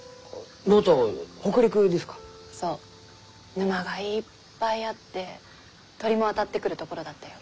沼がいっぱいあって鳥も渡ってくる所だったよ。